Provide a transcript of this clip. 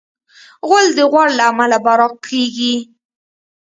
غول د غوړ له امله براق کېږي.